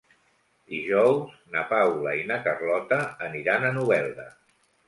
Dijous na Paula i na Carlota aniran a Novelda.